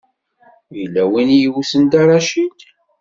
Yella win i yewten Dda Racid?